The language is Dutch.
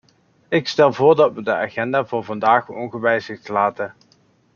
Ik stel voor dat we de agenda voor vandaag ongewijzigd laten.